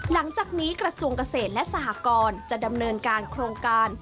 หลังจากนี้กระทรวงเกษตรและสหกรจะดำเนินการโครงการ